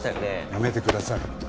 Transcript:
やめてください。